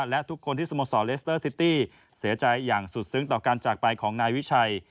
และทุกคนที่สโมสรเลสเตอร์ซิตี้เสียใจอย่างสุดซึ้งต่อการจากไปของนายวิชัย